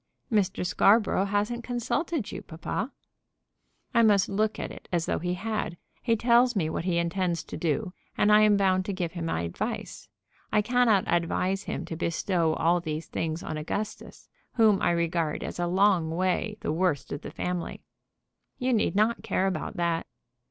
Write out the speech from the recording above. "Mr. Scarborough hasn't consulted you, papa." "I must look at it as though he had. He tells me what he intends to do, and I am bound to give him my advice. I cannot advise him to bestow all these things on Augustus, whom I regard as a long way the worst of the family." "You need not care about that."